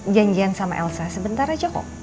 janjian sama elsa sebentar aja kok